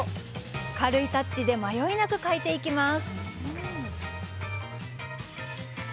軽いタッチで迷いなく描いていきます。